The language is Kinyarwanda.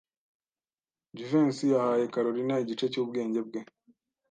Jivency yahaye Kalorina igice cyubwenge bwe.